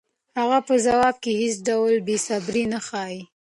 هغه په ځواب کې هېڅ ډول بېصبري نه ښيي.